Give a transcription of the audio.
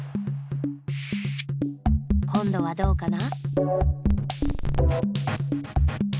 こんどはどうかな？